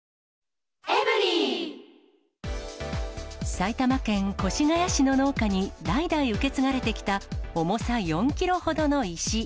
埼玉県越谷市の農家に、代々受け継がれてきた重さ４キロほどの石。